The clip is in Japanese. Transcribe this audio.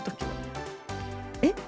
えっ？